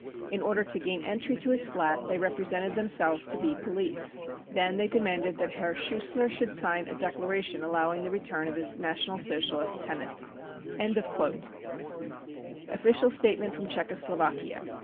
In order to gain entry to his flat they represented themselves to be police. Then they demanded that Herr Schussler should sign a declaration allowing the return of his National Socialist tenant." Official Statement from Czechoslovakia.